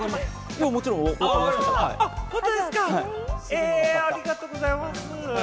えっ、ありがとうございます。